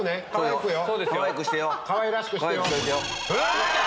かわいらしくしてよ。